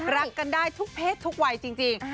รักกันได้ทุกเพศทุกวัยจริง